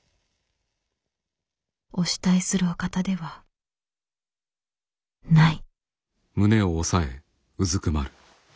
「お慕いするお方ではない」。